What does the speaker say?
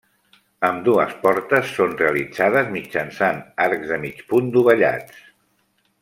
Ambdues portes són realitzades mitjançant arcs de mig punt dovellats.